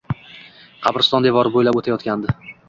Qabriston devori bo’ylab o’tayotgandi.